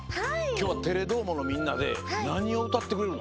きょうは「テレどーも！」のみんなでなにをうたってくれるの？